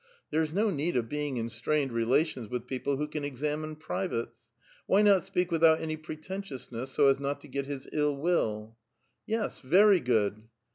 ('' There is no need of being in strained relations with people who can examine privates. Why not speak without any preten tiousness so as not to get his ill will?") " Yes, very good."